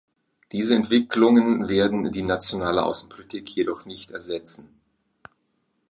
Diese Entwicklungen werden die nationale Außenpolitik jedoch nicht ersetzen.